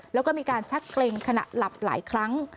แล้วก็มีการชักเกร็งขณะหลับหลายครั้ง